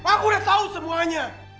aku udah tau semuanya